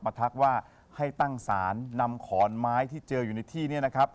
ทักว่าให้ตั้งศาลนำขอนไม้ที่เจออยู่ในที่นี้นะครับ